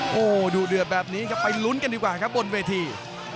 โอ้โหดูเดือดแบบนี้ครับไปลุ้นกันดีกว่าครับบนเวที